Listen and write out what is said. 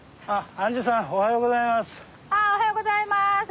ああおはようございます。